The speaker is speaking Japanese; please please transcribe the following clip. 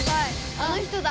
あの人だ。